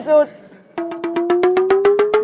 อาหารการกิน